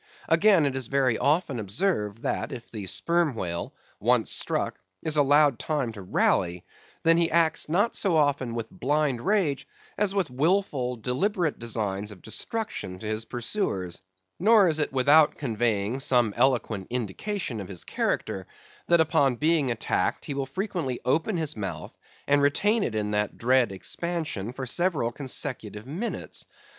Again, it is very often observed that, if the sperm whale, once struck, is allowed time to rally, he then acts, not so often with blind rage, as with wilful, deliberate designs of destruction to his pursuers; nor is it without conveying some eloquent indication of his character, that upon being attacked he will frequently open his mouth, and retain it in that dread expansion for several consecutive minutes.